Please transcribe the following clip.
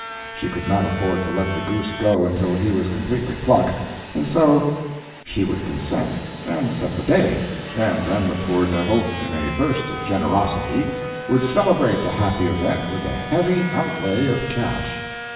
She could not afford to let the goose go until he was completely plucked, and so she would consent, and set the day, and then the poor devil, in a burst of generosity, would celebrate the happy event with a heavy outlay of cash.